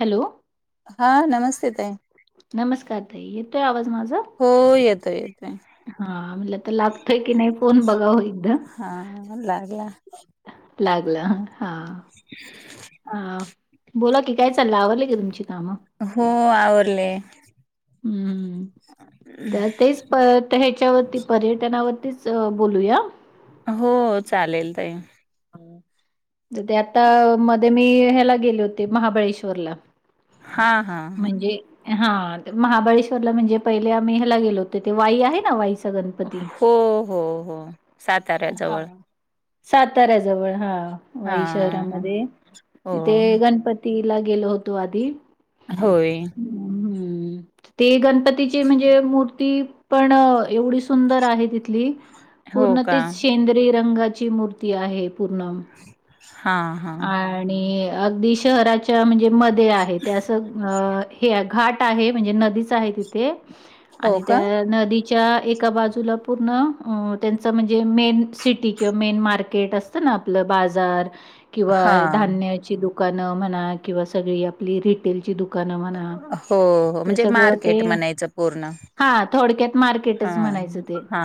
Hello हा नमस्ते ताई नमस्कार ताई येतोय आवाज माझा येतय हा म्हल तर लागतोय की नाही फोन बघावं एकदा हा लागला लागलं हं हा [inaudible] अ बोला की काय चाललं आवरले की तुमची कामं हो आवरले हम्म त्या तेच पर ह्याच्यावरती पर्यटनावरतीच बोलूया. हो चालेल ताई त ते आता मध्ये मी ह्याला गेले होते महाबळेश्वरला हा हा हा म्हणजे हा महाबळेश्वरला म्हणजे पहिले आम्ही ह्याला गेलो होतो ते वाई आहे ना वाईचा गणपती. हो हो हो साताऱ्या जवळ. साताऱ्या जवळ हा हा वाई हा शहरामध्ये हो तिथे गणपती तिला गेलो होतो आधी. होय ते गणपतीची म्हणजे मूर्ती पण एवढी सुं सुंदर आहे तिथली हो पूर्ण, का ते शेंद्री रंगाची मूर्ती आहे पूर्ण. हा हा आणि अगदी शहराच्या म्हणजे मध्ये आहे ते अस. हे घाट आहे म्हणजे नदीच आहे तिथे. हो आणि का त्या नदी त्या एका बाजूला पूर्ण त्यांच म्हणजे मेन सिटी किंवा मेन मार्केट केट असतन आपल बाजार किंवा हा धान्य ची दुकान म्हणा किंवा सगळी आपली रिटेलची दुका हो हो म्हणजे मार्केट म्हणायच पूर्ण. हा थोडक्यात हा मार्केटच म्हणायच ते हा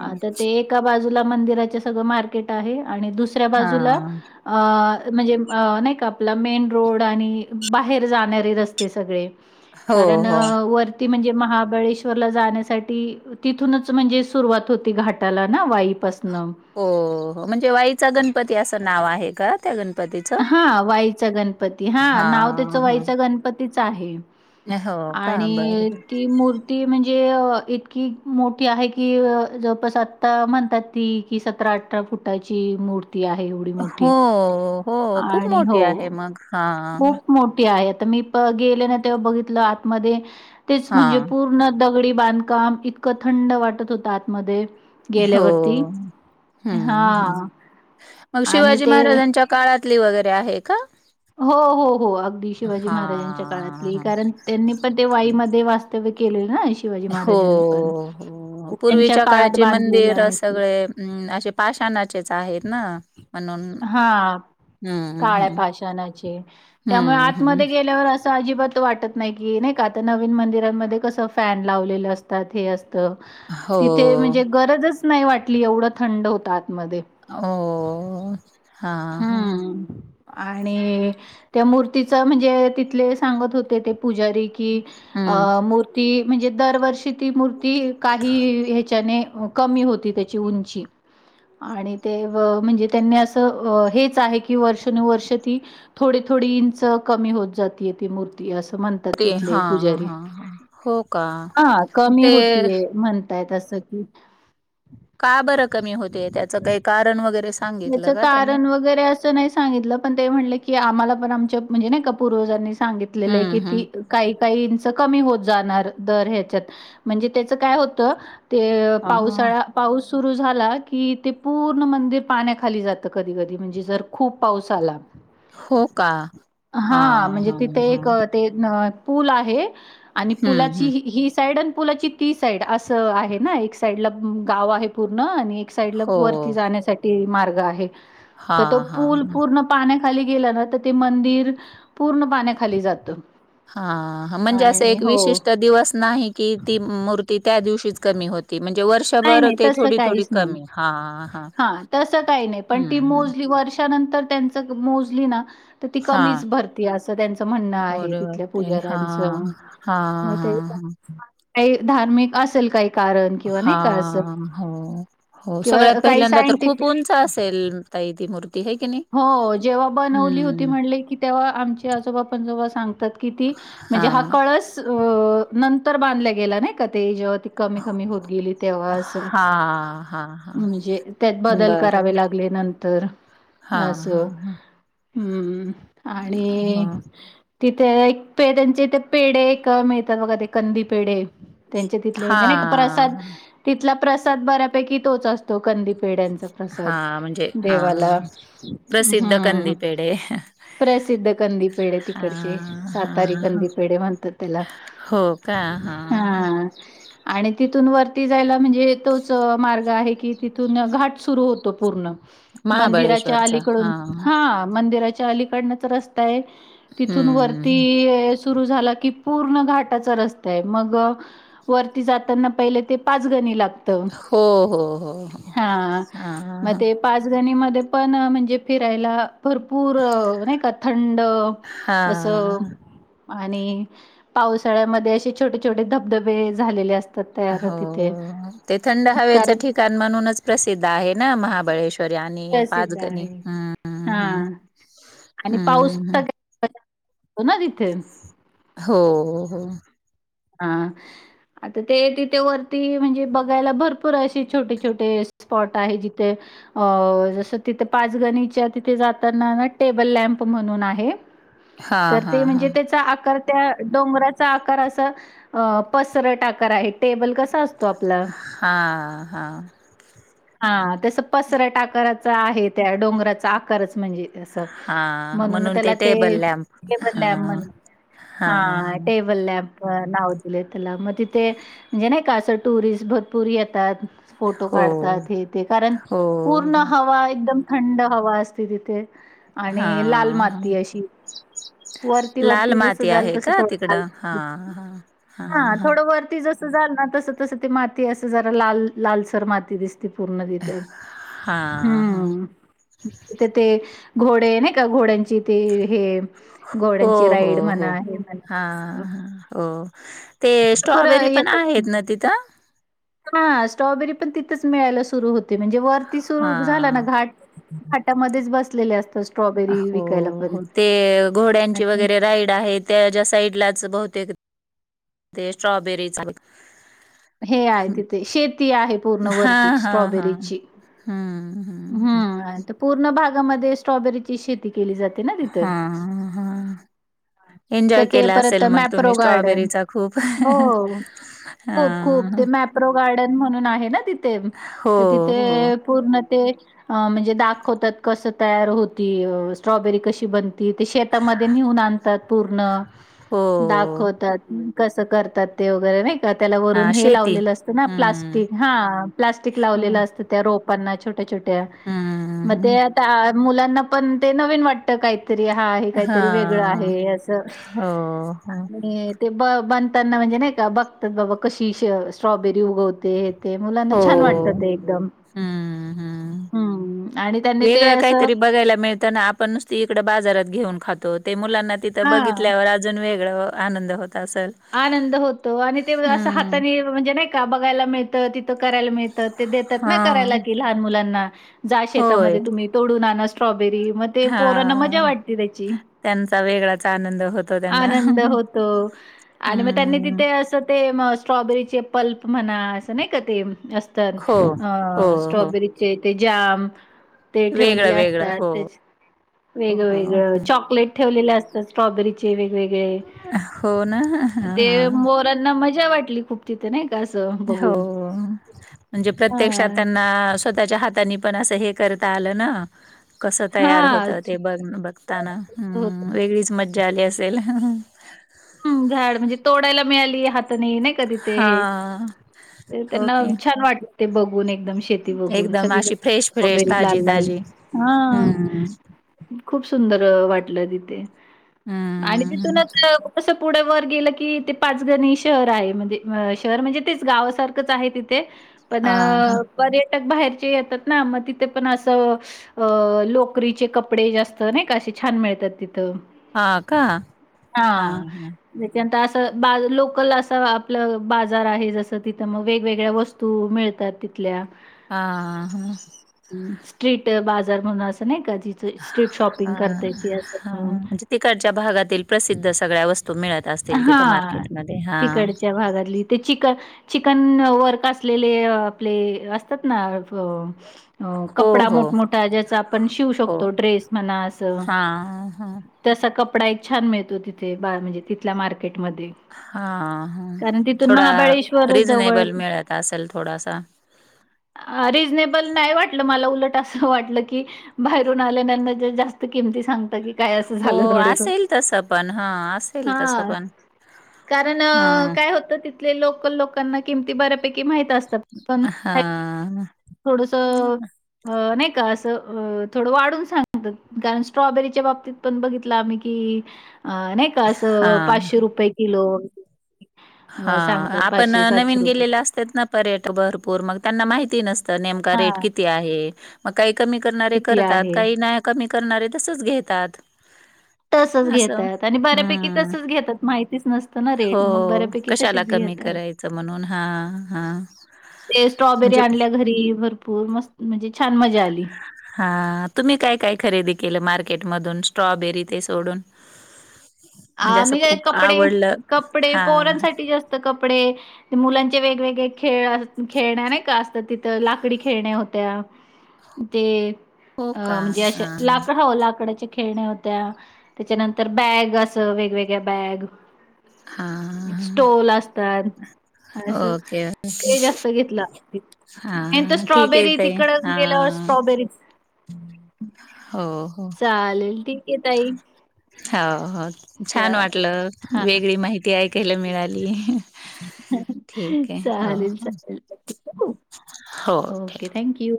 हा आता ते एक एका बाजूला मंदिराच्या सगळ मार्केट आहे आणि दुसऱ्या हा बाजूला अ म्हणजे नाही का आपला मेन रोड आणि बाहेर जाणारे रस्ते सगळे. हो कारण हो वर ती म्हणजे महाबळेश्वरला जाण्यासाठी तिथूनच म्हणजे सुरुवात होती घाटाला ना वाई. पासन. हो म्हणजे वाईचा गणपती अस नाव आहे का? त्या गणपतीच? हा वाईचा गणपती, हा नाव त्याच हा वाईचा गणपतीच आहे. हो का? बरं, आणि बरं. ती मूर्ती ती म्हणजे इतकी मोठी आहे की जवळपास आत्ता म्हणतात ती की सतरा आठ अठरा फुटाची मूर्ती आहे एवढी. हो मोठी. हो खूप आणि हो, मोठी आहे मग हां. खूप मोठी आहे आता मी गेले ना तेव्हा बघितल आतमध्ये तेच म्हणजे हां. पूर्ण दगडी बांधकाम इतक थंड वाटत होत आतमध्ये. हो गेल्यावरती. हम्म हां. मग आणि शिवाजी ते महाराजांच्या काळातली वगैरे आहे का? हो हो हो अगदी शिवाजी महाराजांच्या काळातली हां. कारण त्यांनी पण ते वाईमध्ये वाच [unintelligible] केल ना [unintelligible] महाराजांनी पण. हो त्यांच्या पूर्वीच्या काळात काळचे बांधलेलं मंदिर आहे ते. सगळे अशे पाषाणाचेच आहेत ना? म्हणून हां हं, काळ्या हं. पाषणाचे त्यामुळे हं, हं. आतमध्ये गेल्यावर अस अजिबात वाटत नाही की नाही का आता नवीन मंदिरांमध्ये कस फॅन लावलेले असतात हे अस हो. तिथे म्हणजे गरजच नाही वाटली एवढ थंड होत आतमध्ये. हो हां हां हम्म. आणि त्या मूर्तीच म्हणजे तिथले सांगत होते ते पुजारी. कि हं. अ मूर्ती म्हणजे दरवर्षी ती मूर्ती काही ह्याचाने कमी होती त्याची उंची आणि ते म्हणजे त्यांनी अस हेच आहे की वर्षानुवर्ष ती थोडी थोडी इंच कमी होत जाते ती मूर्ती अस म्हणतात. ते तिथले हां, हां, पुजारी हां. हो का? हा मग कमी ते होतीय म्हण त्यात असं की, का बरं कमी होते त्याच काही कारण वगैरे सांगितलं याचं का त्यांनी. कारण वगैरे असं नाही सांगितलं, पण ते म्हणले की आम्हांला पण आमच्या म्हणजे नाही का पूर्वजांनी सांगितलेलं आहे हम्म कि ती हम्म. काही -काही इंच कमी होत जाणार दर ह्याच्यात म्हणजे त्याच काय होतं ते हां. हां. पावसाळा पाऊस सुरू झाला की, ते पूर्ण मंदर पाण्याखाली जाते. तर कधी कधी म्हणजे जर खूप पाऊस आला. हो, का. हा.. हां, म्हणजे हा.. तिथे हा.. एक अ, ते न पूल आहे आणि हं, पुलाची हं. ही साईड अन् पुलाची ती साईड असं आहे ना, एक साईड ला गाव आहे पूर्ण आणि एक साईड ला हो. वरती जाण्यासाठी तीन मार्ग आहेत. तर तो हां, हां, पूल पूर्ण पाण्याखाली गेला ना, तर ते मंदिर पूर्ण पाण्याखाली जातं. हा म्हणजे असं आणि एक हो. विशिष्ट दिवस नाही की ती मूर् ती त्या दिवशीच कमी होती म्हणजे वर्ष नाही, नाही तस काहीच नाही हां. हा, तसं काही नाही पण ती हं, हं. मोजली ती वर्षानंतर त्यांच मोजली ना, तर ती कमीच हां. भरती असं त्यांचं म्हणणं आहे तिथल्या पुजाऱ्यांचं. हा, हा, मग ते हा.. ह. काही धार्मिक असेल काही कारण किंवा नाही ह का असं हो, हो. किंवा सगळ्यात काही पहिल्यांदा तर सायंटिफिक खूप उंच असेल ताई ती मूर्ती. ती हाय क नाही. हो जेव्हा बनवली होती हं. म्हणले की, तेव्हा आमचे आजोबापण जेव्हा सांगतात की ती म्हणजे हा कळस नंतर बांधला गेला नाही का ते जेव्हा त कमी- कमी होत गेली तेव्हा असं. हा हा हा म्हणजे त्यात बदल करावे बरोबर लागले नंतर. हा हा असं हुं... आणि ह तिथे एक पे त्यांचे इथे पेढे एक मिळतात बघा ते कंदी पेढे. त्यांचे तिथले हा म्हणजे ना प्रसाद, तिथला प्रसाद बऱ्यापैकी तोच असतो कंदीपेढ्यांचा. प्रसाद हा म्हणजे अ देवाला प्रसिद्ध हं... कंदी पेढे प्रसिद्ध कंदी पेढे हा तिकडचे' हा सातारी कंदी पेढे' म्हणतात त्याला. हो का, हा. हा.. आणि तिथून वरती जायला म्हणजे तोच मार्ग आहे की, तिथून घाट सुरू होतो पूर्ण. मंदिराच्या महाबळेश्वर. अलीकडून हा मंदिराच्या अलीकडनंच रस्ता आहे तिथून हम्म वरती सुरू झाला की, पूर्ण घाटाचा रस्ता आहे मग. वरती जाताना पहिले ते पाच गणी लाग त हो हो हो हा हा मग ते पाचगणीमध्ये पण म्हणजे फिरायला भरपूर नाही का थंड हा असं आणि पावसाळ्यामध्ये अशे छोटे- छोटे धबधबे झालेले अस हो ते थंड हवेच कारण ठिकाण म्हणूनच प्रसिद्ध आहे ना महाबळेश्वर. प्रसिद्ध आहे हा हम्म आणि पाऊस हम्म तर हम्म काय असतो ना तिथे. हो, हो... हा... आता ते तिथे वरती म्हणजे बघायला भरपूर अशी छोटे छोटे स्पॉट आहे जिथे अ जसं तिथे पाचगणीच्या तिथे जाताना ना टेबल लॅम्प म्हणून आहे हा तर ते हा हा म्हणजे त्याचा आकार त्या डोंगराचा आकार असं अ पसरटा करा हे टेबल कस असतो आपला हा हा हा ते असं पसराटा आकाराचा आहे त्या डोंगराचा आकारच म्हणजे ते असं हा म्हणून मग त्याला ते टेबल लॅम्प हा बदल्या. [inaudible] हा टेबल लॅम्प. नाव दिले त्याला मग तिथे म्हणजे नाही का असं टुरिस्ट भरपूर येतात फोटो हो काढतात हे ते कारण हो पूर्ण हो हवा एकदम थंड हवा असते तिथे हा आणि लाल हा माती अशी वरती वरती जसं जाल तसं थोडं लाल. [inaudible] हां हां. हा थोडं वरती जसं जायल ना तसं तसं त माती असं जरा लाल लालसर माती दिस ते पूर्ण तिथं हा हा हम्म. तर ते घोडे नाही का घोड्यांची ते हे हो घोड्यांची हो राईड हो म्हणा, हे म्हणा हा असं हा. हो ते भरपूर स्ट्रॉबेरी पण आहेत ना तिथं? हा स्ट्रॉबेरी पण तिथंच मिळायला सुरु होते म्हणजे वरती हा सुरू झाला ना घाट हाटामध्येच बसलेले असतो. हो हो ते घोड्यांची वगैरे राईड आहेत त्याज्या साईडलाच बहुतेक ते स्ट्रॉबेरी [unintelligible] हे आहे तिथे शेती आहे हा पूर्णवर्ती हा हा स्ट्रॉबेरीची. हम्म. हम्म नाय ते पूर्ण भागामध्ये स्ट्रॉबेरीची शेती केली जा हा हा. एन्जॉय तर ते केला परत असेल मग मॅप्रो तुम्ही गार्डन स्ट्रॉबेरीचा खूप. हो. खूप खूप हां. ते मॅप्रो गार्डन म्हणून आहे ना तिथे हो, तर हो, तिथे पूर्ण ते म्हणजे दाखवतात कस तयार होती स्ट्रॉबेरी कशी बन ती ते शेतामध्ये नेऊन आणतात पूर्ण हो. दाखवतात कसं करतात ते वगैरे नाही त्या त्याला वरून हां, हे शेती. लावलेलं असतं ना हं, प्लास्टिक हा प्लास्टिक लावलेलं असतं त्या रोपांना छो छोट्या-छोट्या हा. म ते आता मुलांना पण ते नवीन वाटतं काय तरी हा आहे काहीतरी वेगळं हां. आहे असं हो, हो, [unintelligible] ते ब बनतांना म्हणजे नाही का बघतात बाबा कशी श स्ट्रॉबेरी उगवते ते मुलांना छान वाटतं ते एकदम. हम्म. हम्म. वेगळं काहीतरी बघायला मिळ तं ना आपण नुसती इकडं बाजारात घेऊन खातो ते मुलांना तिथं हां. बघितल्यावर अ जून वेगळं आनंद होत असेल. आनंद होतो आणि ते असं हं. हाताने म्हणजे नाही का बघायला मिळ तं तिथं करायला मिळतं ते देतात ना करायला हां. की लहान मुलांना जा होय. शेतामध्ये तुम्ही तोडून आना स्ट्रॉबेरी मग ते पोरांना मजा हां. वाटते त्याची त्यांचा वेगळाच आनंद होतो [inaudible] त्यांना. आनंद होतो आणि मग त्यांनी हं. तिथे असं ते स्ट्रॉबेरीचे पल्प म्हणा असं नाही का ते अस तय हो, अ हो, हो. स्ट्रॉबेरीचे ते जाम ते वेगळं, ठेवलेले वेगळं. असतात हो, त्यात हो, हो. वेगवेगळ चॉकलेट ठेवलेले असतात स्ट्रॉबेरीचे वेगवेगळे हो ना ते हां, मोरांना मजा वाटली खूप तिथे नाही का असं हो बघून. हो म्हणजे प्रत्यक्षात हां. त्यांना स्वतःच्या हातानी पण असं हे करता आलं ना कस तयार होत हां. ते बघ बघताना होतं. हम्म वेगळीच मज्जा आली असेल झाड म्हणजे तोडायला मिळाली हात [unintelligible] नाय का तिथे हां, त्यांना ओके. छान वाटते बघून एकदम शेती बघून एकदम सगळीकडे अशी फ्रेश-फ्रेश, स्ट्रॉबेरी लाल लाल ताजी-ताजी. हा. हं, खूप सुंदर अ वाटलं तिथे आणि हं. तिथूनच असं पुढे वर गेलं की ते पाचगणी शहर आहे म्हणजे शहर म्हणजे तेच गावासारखंच आहे तिथे पण हां, हां. पर्यटक बाहेरचे येतात ना मग तिथे पण असं अ लोकरीचे कपडे जास्त नाही का असे छान मिळतात तिथं. हा का? हा हां, हं असं बा लोकल असं आपलं बाजार आहे जसं तिथं मग वेगवेगळ्या वस्तू वस्तू मिळतात तिथल्या. हा हं. स्ट्रीट बाजार म्हणून असं नाही का जिच स्ट्रीट शॉपिंग हां. करताय ती असं हं हां, म्हणजे तिकडच्या भागातील प्रसिद्ध सगळ्या वस्तू मिळत असतील तिथं मार्केटमध्ये हा. त्या भागातली ते चिकन चिकन वर्क असलेले आपले असतात ना? अ अ हो, कपडा हो, मोठमोठा ज्याचा आपण शिवू हो. शकतो ड्रेस म्हणा असं हां, हां, तसा कपडा एक छान मिळतो तिथे बा म्हणजे तिथल्या मार्केटमध्ये. हा ह कारण तिथून थोडा महाबळेश्वर जवळ रिझनेबल मिळत असेल थोडासा. रिजनेबल नाही वाटलं मला उलट असं वाटलं की बाहेरून आल्याल्याना जास्त किमती सांगता की काय असं हो झालं असेल तस पण हा अस हा, कारण हां, काय होत तिथले लोकल लोकांना किमती बऱ्यापैकी माहिती असतात पण [inaudible] का हां, थोडस अ नाय का असं थोडं वाढून सांगतात कारण स्ट्रॉबेरीच्या बाबतीत पण बघितलं आम्ही की अ नाही का असं हां, पाचशे रुपये किलो हा अ, सांगतात आपण नवीन गेलेलं असत तेत ना पर्यटक भरपूर मग त्यांना माहिती नसतं नेमका रेट हां, किती आहे मग काही कमी करणारे किती करतात आहे? काही नाही कमी करणारे तसच घेतात. तसच असं. घेतात आणि बऱ्यापैकी हं. तसच घेतात माहितीच नसतं ना रेट मग बऱ्यापैकी चाला तशीच कमी घेतात. करायच म्हणून हा हा ते स्ट्रॉबेरी म्हणजे आणल्या घरी भरपूर मस्त म्हणजे छान मजा आली. हा तुम्ही काय काय खरेदी केलं? मार्केटमधून स्ट्रॉबेरी ते सोडून. म्हणजे असं आम्ही काय खूप कपडे आवडलं कपडे हां पोरांसाठी जास्त कपडे मुलांचे वेगवेगळे खेळ खेळण्या नाही का, असतं तिथं लाकडी खेळण्या होत्या. ते, हो का अ म्हणजे अशा हां लाकड हो लाकडाच्या खेळण्या होत्या. तेच्यानंतर बॅग अस वेगवेगळ्या बॅग हां हां स्टोल असतात. हा असं ओके ते, जास्तं घेतलं. आणि हां ठीक आहे स्ट्रॉबेरी ताई तिकडं गेल्यावर हां स्ट्रॉबेरीच. हो हो, आहे ताई. हो हो. छान चालेल वाटलं, हां. वेगळी माहिती ऐकायला मिळाली. ठीक आहे हो चालेल‌ चालेल ठीक ये. हो. Okay thank you.